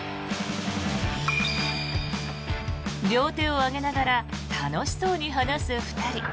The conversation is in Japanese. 両手を上げながら楽しそうに話す２人。